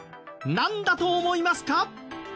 なんだと思いますか？